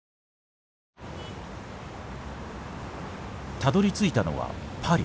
たどりついたのはパリ。